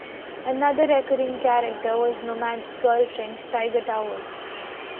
Another recurring character was Nomad's girlfriend, Tiger Towers.